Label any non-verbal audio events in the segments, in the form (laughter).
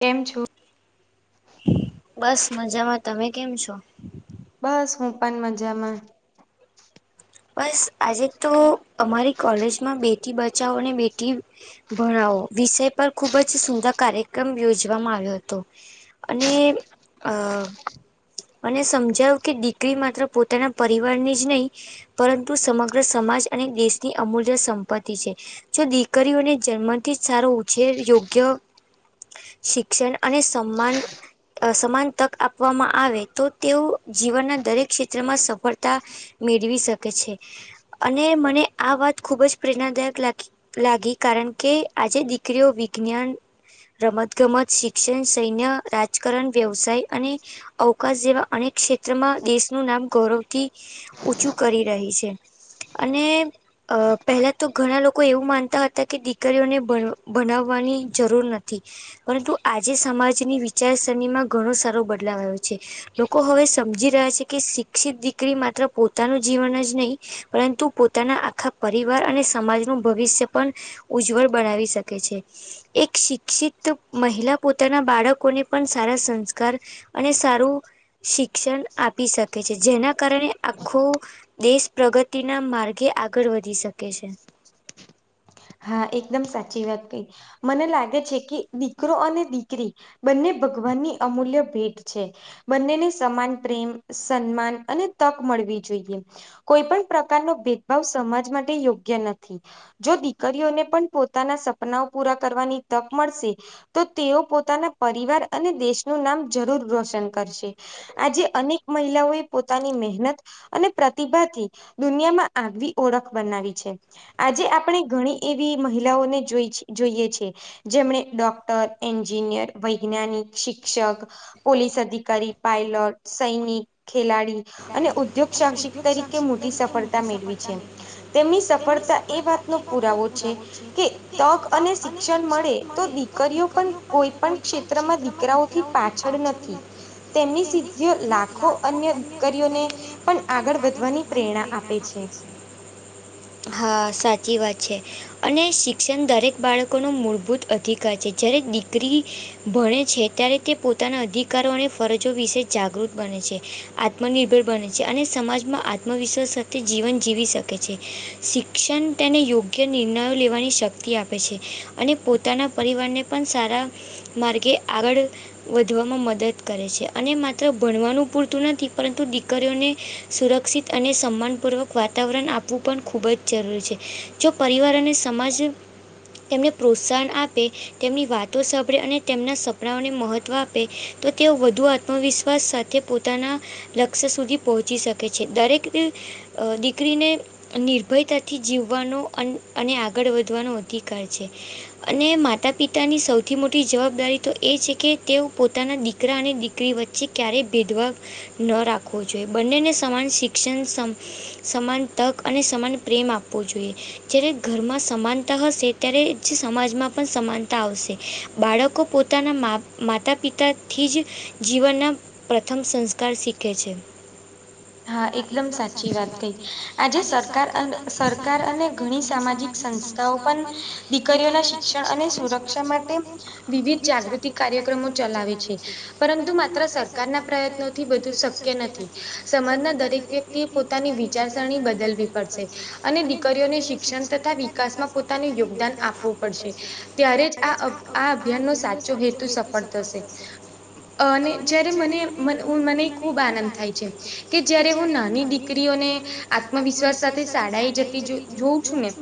કેમ છું? બસ મજામાં તમે કેમ છો? બસ હું પણ મજામાં. બસ આજે તો અમારી કોલેજમાં બેટી બચાવો અને બેટી ભણાવો વિષય પર ખુબ જ સુંદર કાર્યક્રમ યોજવામાં આવ્યો હતો. અને અ અને સમજાવ્યું કે દીકરી માત્ર પોતાના પરિવારની જ નહીં પરંતુ સમગ્ર સમાજ અને દેશની અમૂલ્ય સંપત્તિ છે. જો દીકરીઓને જન્મથી જ સારો ઉછેર યોગ્ય શિક્ષણ અને સન્માન સમાન તક આપવામાં આવે તો તેઓ જીવનના દરેક ક્ષેત્રમાં સફળતા મેળવી શકે છે અને મને આ વાત ખુબ જ પ્રેરણાદાયક લાગી લાગી કારણ કે આજે દીકરીઓ વિજ્ઞાન રમત ગમત શિક્ષણ સૈન્ય રાજકરણ વ્યવસાય અને અવકાશ જેવા અનેક ક્ષેત્રમાં દેશનું નામ ગૌરવથી ઊંચું કરી રહી છે. અને અ પહેલાં તો ઘણા લોકો એવું માનતા હતા કે દીકરીઓને ભનાવવાની જરૂર નથી. પરંતુ આજે સમાજની વિચારસરણીમાં ઘણો સારો બદલાવ આવે છે. લોકો હવે સમજી રહ્યા છે કે શિક્ષિત દીકરી માત્ર પો પોતાનું જીવન જ નઈ પરંતુ પોતાના આખા પરિવાર અને સમાજનું ભવિષ્ય પણ ઉજ્જવળ બનાવી શકે છે. એક શિક્ષિત મહિલા પોતાના બાળકોને પણ સારા સંસ્કાર અને સારું શિક્ષણ આપી શકે છે જેના કારણે આ આખું દેશ પ્રગતિના માર્ગે આગળ વધી શકે છે. હા એકદમ સાચી વાત કઈ મને લાગે છે કે દીકરો અને દીકરી બંને ભગવાનની અમૂલ્ય ભેટ છે. બંનેને સમાન પ્રેમ સન્માન અને તક મળવી જોઈએ કોઈ પણ પ્રકારનો ભેદભાવ સમાજ માટે યોગ્ય નથી. જો દી છોકરીઓને પણ પોતાના સપનાઓ પૂરા કરવાની તક મળશે. તો પોતાના પરિવાર અને નામ જરૂર રોશન કરશે. આજે અનેક મહિલાઓ એ પોતાની મહેનત અને પ્રતિભાથી દુનિયામાં આગવી ઓળખ બનાવી છે. આજે આપણે ઘણી એવી મહિલાઓને જોઈ, જોઈએ છે. જેમણે ડોક્ટર, એન્જિનિયર, વૈજ્ઞાનિક શિક્ષક પોલીસ અધિકારી, પાયલટ, સૈનિક, ખેલાડી અને ઉદ્યોગ સાહસિક તરીકે મોટી સફળતા મેળવી છે. તેમની સફળતા એ વાતનો પુરાવો છે કે તક અને શિક્ષણ મળે, તો દીકરીઓ પણ કોઈ પણ ક્ષેત્રમાં દીકરાઓથી પાછળ નથી. તેમની સિદ્ધિઓ લાખો અન્ય કરીઓ ને, પણ આગળ વધવાની પ્રેરણા આપે છે. હા, સાચી વાત છે. અને શિક્ષણ દરેક બાળકોનો મૂળભૂત અધિકાર છે. જ્યારે દીકરી ભણે છે, ત્યારે તે પોતાના અધિકારો અને ફરજો વિશે જાગૃત બને છે. આત્મનિર્ભર બને છે અને સમાજમાં આત્મવિશ્વાસ સાથે જીવન જીવી શકે છે. શિક્ષણ તેને યોગ્ય નિર્ણયો લેવાની શક્તિ આપે છે અને પોતાના પરિવારને પણ સારા માર્ગે આગળ વધવામાં મદદ કરે છે અને માત્ર ભણવાનું પૂરતું નથી. પરંતુ દીકરીઓને સુરક્ષિત અને સન્માનપૂર્વક વાતાવરણ આપવું પણ ખૂબ જ જરૂરી છે જો પરિવાર અને સમાજ એમને પ્રોત્સાહન આપે. તેમની વાતો સાંભળે અને તેમના સપનાઓને મહત્વ આપે, તો તેઓ વધુ આત્મવિશ્વાસ સાથે પોતાના લક્ષ્ય સુધી પહોંચી શકે છે દરેક દીકરીને નિર્ભયતાથી જીવવાનો અને આગળ વધવાનો અધિકાર છે. અને માતા પિતાની સૌથી મોટી જવાબદારી તો એ છે કે, તેઓ પોતાના દીકરા અને દીકરી વચ્ચે પછી ક્યારે વિધવા ન રાખવો જોઈએ બંનેને સમાન શિક્ષણ સમાન તક અને સમાન પ્રેમ આપવો જોઈએ. જ્યારે ઘરમાં સમાનતા હશે, ત્યારે સમાજમાં પણ સમાન તા આવશે બાળકો પોતાના મા માતાપિતાથી જ જીવનના પ્રથમ સંસ્કાર શીખે છે. હા. હા, એકદમ સાચી વાત કઈ આજે સરકાર, સરકાર અને ઘણી સામાજિક સંથા ઓ પણ દીકરીઓના શિક્ષણ અને સુરક્ષા માટે વિવિધ જાગૃતિ કાર્યક્રમો ચલાવે છે પરંતુ માત્ર સરકારના પ્રયત્નોથી બધું શક્ય નથી. સમાજ દરેક વ્યક્તિએ પોતાની વિચારસરણી બદલવી પડશે અને દીકરીઓને શિક્ષણ તથા વિકાસમાં પોતાનું યોગદાન આપવું પડશે, ત્યારે આ આ અભિયાનનો સાચો હેતુ સફળ થશે અને જ્યારે મને મને ખુબ આનંદ થાય છે. કે જયારે હું નાની દીકરીઓને આત્મવિશ્વાસ સાથે શાળાએ જતી જોઉં છું ને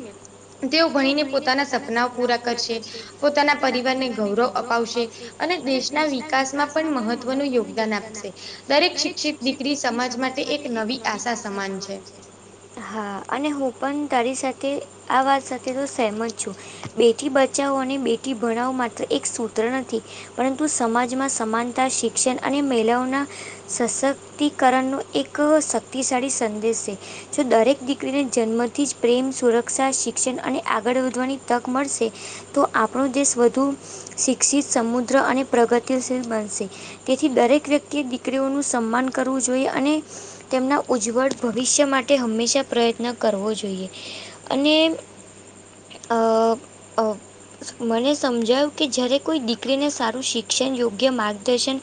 તેઓ ભણીને પોતાના સપનાઓ પૂરા કરશે, પોતાના પરિવારને ગૌરવ અપાવશે. અને દેશના વિકાસમાં પણ મહત્વનું યોગદાન આપશે. દરેક શિક્ષિત દીકરી સમાજ માટે એક નવી આશા સમાન છે. હા, અને હું પણ તારી સાથે, આ વાત સાથે તો સહેમત છું. બેટી બચાવો અને બેટી ભણાવો, માત્ર એક સૂત્ર નથી. પરંતુ સમાજમાં સમાનતા શિક્ષણ અને મહિલાઓના સશક્તિકરણનો એક શક્તિશાળી સંદેશ છે. જો દરેક દીકરીને જન્મથી જ પ્રેમ, સુરક્ષા, શિક્ષણ અને આગળ વધવાની તક મળશે તો આપણો દેશ વધુ શિક્ષિત, સમૃદ્ધ અને પ્રગતિશીલ બનશે તેથી દરેક વ્યક્તિએ દીકરી દીકરીઓનું સન્માન કરવું જોઈએ અને તેમના ઉજ્જવળ ભવિષ્ય માટે હંમેશા પ્રયત્ન કરવો જોઈએ. અને અ અ મને સમજાયું કે જયારે કોઈ દીકરીને સારું શિક્ષણ, યોગ્ય માર્ગદર્શન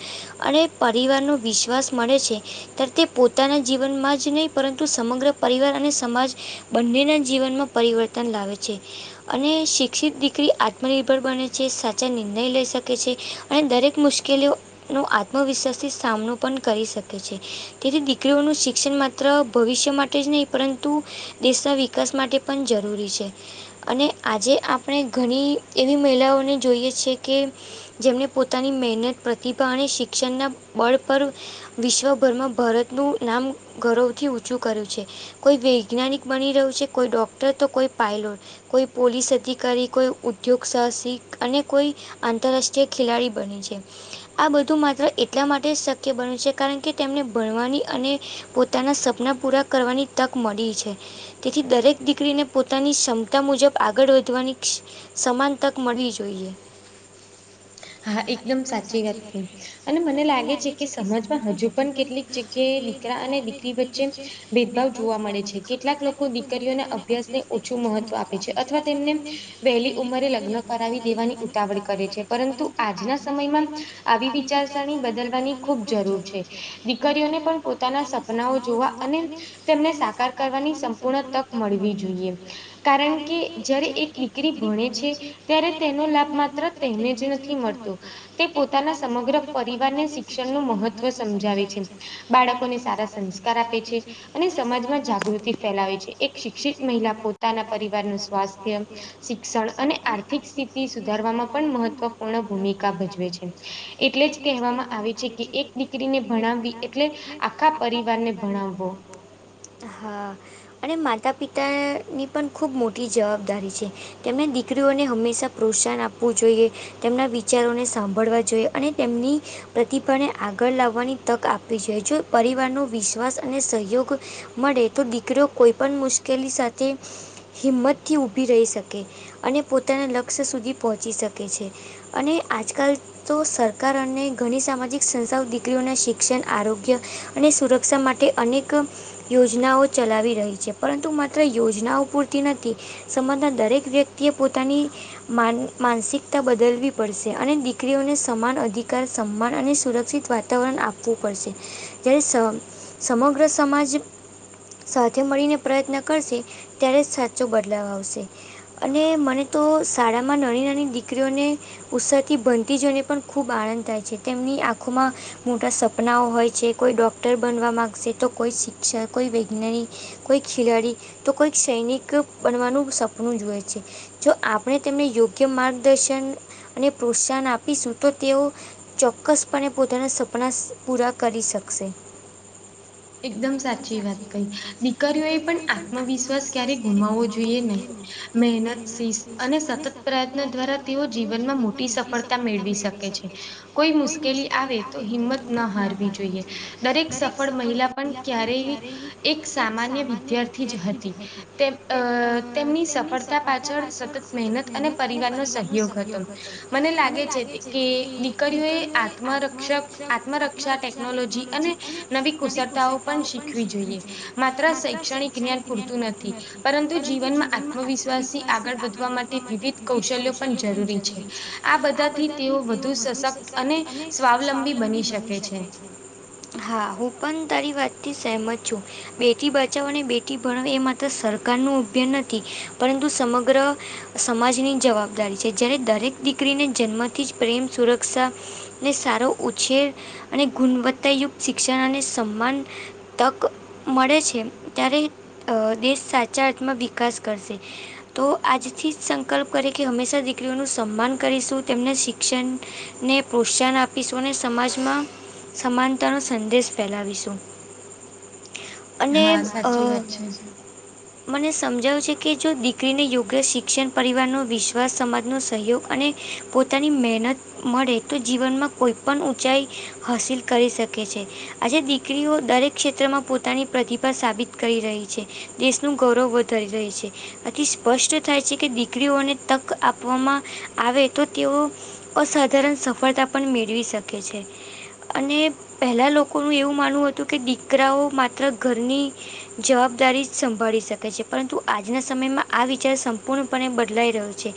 અને પરિવારનો વિશ્વાસ મળે છે. ત્યારે તે પોતાના જીવનમાં જ નહીં પરંતુ સમગ્ર પરિવાર અને સમાજ બંનેના જીવનમાં પરિવર્તન લાવે છે અને શિક્ષણ શિક્ષિત દીકરી આત્મનિર્ભર બને છે સાચા નિર્ણય લઈ શકે છે અને દરેક મુશ્કેલીઓ નો આત્મવિશ્વાસથી સામનો પણ કરી શકે છે. તેથી દીકરીઓનું શિક્ષણ માત્ર ભવિષ્ય માટે જ નહીં પરંતુ દેશના વિકાસ માટે પણ જરૂરી છે. અને આજે આપણે ઘણી એવી મહિલાઓને જોઈએ છે કે જેમને પોતાની મહેનત, પ્રતિભા અને શિક્ષણના બળ પર વિશ્વભરમાં ભારતનું નામ ગૌરવથી ઊંચું કર્યું છે. કોઈ વૈજ્ઞાનિક બની રહ્યું છે, કોઈ ડોક્ટર તો કોઈ પાયલો કોઈ પોલીસ અધિકારી, કોઈ ઉદ્યોગ સાહસિક અને કોઈ આંતરરાષ (unintelligible) ખિલાડી બને છે આ બધું માત્ર એ એટલા માટે જ શક્ય બને છે કારણ કે તેમને ભણવાની અને પોતાના સપના પૂરા કરવાની તક મળી છે. તેથી દરેક દીકરીને પોતાની ક્ષમતા મુજબ આગળ વધવાની સમાન તક મળવી જોઈએ. હા એકદમ સાચી વાત કહી અને મને લાગે છે કે સમાજમાં હજુ પણ કેટલીક જગ્યાએ દીકરા અને દીકરી વચ્ચે ભેદભાવ જોવા મળે છે કેટલાક લોકો દીકરીઓના અભ્યાસને ઓછું મહત્વ આપે છે અથવા તેમને વહેલી ઉંમરે લગ્ન કરાવી દેવાની ઉતાવળ કરે છે પરંતુ આજના સમયમાં આવી વિચારસર બદલવાની ખૂબ જરૂર છે દીકરીઓને પણ પોતાના સપનાઓ જોવા અને તેમને સાકાર કરવાની સંપૂર્ણ તક મળવી જોઈએ કારણ કે જયારે એક વી દીકરી ભણે છે ત્યારે તેનો લાભ માત્ર તેને જ નથી મળતો તે પોતાના સમગ્ર પર પરિવારને શિક્ષણ નું મહત્વ સમજાવે છે બાળકોને સારા સંસ્કાર આપે છે. અને સમાજમાં જાગૃતિ ફેલાવે છે એક શિક્ષિત મહિલા પોતાના પરિવારનું સ્વાસ્થ્ય શિક્ષણ અને આર્થિક સ્થિતિ સુધારવામાં પણ મહત્વપૂર્ણ ભૂમિકા ભજવે છે. એટલે જ કહેવામાં આવે છે કે એક દીકરીને ભણાવવી એટલે આખા પરિવારને ભણાવવો. હા અને માતા પિતા ની પણ ખૂબ મોટી જવાબદારી છે. તેમણે દીકરીઓને હંમેશા પ્રોત્સાહન આપવું જોઈએ તેમના વિચારોને સાંભળવા જોઈએ અને એમની પ્રતિભાને આગળ લાવવાની તક આપવી જોઈએ પરિવારનો વિશ્વાસ અને સહયોગ મળે તો દીકરીઓ કોઈ પણ મુશ્કેલી સાથે હિંમતથી ઊભી રહી શકે અને પોતાના લક્ષ્ય સુધી પહોંચી શકે છે. અને આજકાલ તો સર કાર અને ઘણી સામાજિક સંસ્થાઓ દીકરીઓના શિક્ષણ, આરોગ્ય અને સુરક્ષા માટે અનેક યોજનાઓ ચલાવી રહી છે પરંતુ માત્ર યોજનાઓ પૂરતી નથી સમાજના દરેક વ્યક તે પોતાની માન માનસિકતા બદલવી પડશે અને દીકરીઓને સમાન અધિકાર સન્માન અને સુરક્ષિત વાતાવરણ આપવું પડશે. જયારે સ સમગ્ર સમાજ સાથે મળીને પ્રયત્ન કરશે ત્યારે જ સાચો બદલાવ આવશે. અને મને તો શાળામાં નાની નાની દીકરીઓને ઉત્સાહથી બનતી જઈને પણ ખૂબ આનંદ થાય છે તેમની આંખોમાં મોટા સપનાઓ હોય છે કોઈ ડોક્ટર બનવા માંગશે તો કોઈ શિક્ષક કોઈ વૈજ્ઞાનિક કોઈ ખેલાડી તો કોઈક સૈનિક બનવાનું સપનું જોએ છે. જો આપણે તેમને યોગ્ય માર્ગદર્શન અને પ્રોત્સાહન આપીશું તો તેઓ ચોક્કસપણે પોતાના સપના પૂરા શકશે. એકદમ સાચી વાત કઈ દીકરીઓ એ પણ આત્મવિશ્વાસ ક્યારેય ગુમાવવો જોઈએ નહી. મહેનત શિસ્ત અને સતત પ્રયત્ન દ્વારા તેઓ જીવનમાં મોટી સફળતા મેળ મેળવી શકે છે. કોઈ મુશ્કેલી આવે તો હિંમત ના હારવી જોઈએ દરેક સફળ મહિલા પણ ક્યારેય એક સામાન્ય વિદ્યાર્થી જ હતી તે તેમની સફળતા પાછળ સતત મહેનત અને પરિવારનો સહયોગ હતો મને લાગે છે કે દીકરીઓ એ આત્મરક્ષક આત્મરક્ષા ટેકનોલોજી અને નવી કુશ કુશળતાઓ પણ શીખવી જોઈએ માત્ર શૈક્ષણિક જ્ઞાન પૂરતું નથી પરંતુ જીવનમાં આત્મવિશ્વાસથી આગળ વધવા માટે વિવિધ કૌશલ્યો પણ જરૂરી છે આ બધાથી તેઓ વધુ સશક્ત અને સ્વાવલંબી બની શકે છે. હા હું પણ તારી વાતથી સહેમત છું. બેટી બાચાવો અને બેટી ભણાવો એ માત્ર સરકારનો અભયાન નથી પરંતુ સમગ્ર સમાજની જવાબદારી છે. જ્યારે દરેક દીકરીને જન્મથી જ પ્રેમ સુરક્ષા ને સારો ઉછેર અને ગુણવત્તાયુક્ત શિક્ષણ અને સન્માન તક મળે છે ત્યારે દેશ સાચા અર્થમાં વિકાસ કરશે. તો આજથી જ સંકલ્પ કરે કે હંમેશા દીકરીઓનું સન્માન કરીશું. તેમને શિક્ષણ ને પ્રોત્સાહન આપીશું અને સમાજમાં સમાનતાનો સંદેશ ફેલાવીશું. હા સાચી વાત છે. મને સમજાવું છે કે જો દીકરીને યોગ્ય શિક્ષણ પરિવારનો વિશ્વાસ સમાજનો સહયોગ અને પોતાની મહેનત મળે તો જીવનમાં કોઈ પણ ઊંચાઈ હસિલ કરી શકે છે. આજે દીકરીઓ દરેક ક્ષેત્રમાં પોતાની પ્રતિભા સાબિત કરી રહી છે. દેશનું ગૌરવ વધારી રહી છે. આથી સ્પષ્ટ થાય છે કે દીકરીઓને તક આપવામાં આવે તો તેઓ અસાધારણ સફળતા પણ મેળવી શકે છે. અને પહેલા લોકોનું એવું માનવું હતું કે દીકરાઓ માત્ર ઘરની જવાબદારી સંભાળી શકે છે પરંતુ આજના સમયમાં આ વિચાર સંપૂર્ણ પણે બદલાઈ રહ્યો છે.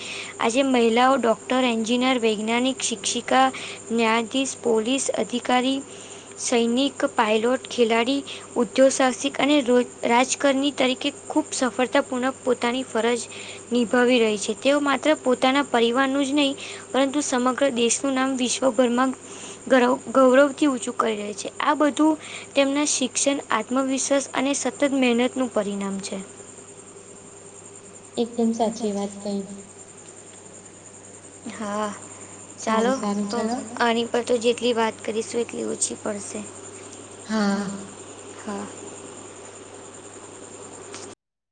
આજે મહિલાઓ ડો ડોકટર, એન્જિનિયર, વૈજ્ઞાનિક, શિક્ષિકા, ન્યાયાધીશ, પોલીસ, અધિકારી, સૈનિક, પાયલોટ, ખેલાડી ઉદ્યોગ સાહસિક અને રાજકારણી તરીકે ખુબ સફળતાપૂર્ણક પોતાની ફરજ નિભાવી રહી છે. તેઓ માત્ર પોતાના પરિવારનું જ નહી પરંતુ સમગ્ર દેશનું નામ વિશ્વભરમાં ગર્વ ગૌરવથી ઊચું કરી રહી છે. આ બધું તેમના શિક્ષણ આત્મવિશ્વાસ અને સતત મહેનતનું પરિણામ છે. એકદમ સાચી વાત કહી હા ચાલો તો આંની પરંતુ જેટલી વાત કરીશું એટલી ઓછી પડશે. હા હા